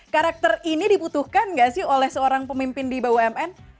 karakter ini dibutuhkan nggak sih oleh seorang pemimpin di bumn